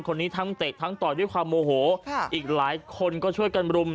ทั้งเตะทั้งต่อยด้วยความโมโหค่ะอีกหลายคนก็ช่วยกันรุม